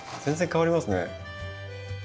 全然変わりますね。